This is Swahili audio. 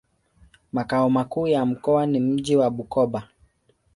Makao makuu ya mkoa ni mji wa Bukoba.